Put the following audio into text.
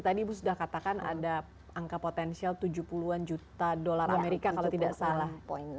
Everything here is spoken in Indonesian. tadi ibu sudah katakan ada angka potensial tujuh puluh an juta dolar amerika kalau tidak salah